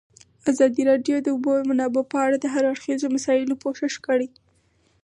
ازادي راډیو د د اوبو منابع په اړه د هر اړخیزو مسایلو پوښښ کړی.